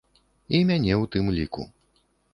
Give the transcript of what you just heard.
І мяне ў тым ліку.